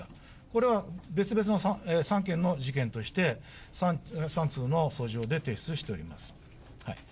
これは別々の３件の事件として、３通の訴状で提出しております。